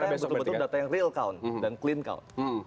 betul betul data yang real cow dan clean cow